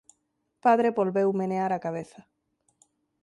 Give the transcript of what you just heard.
Padre volveu menear a cabeza.